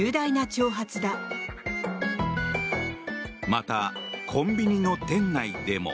また、コンビニの店内でも。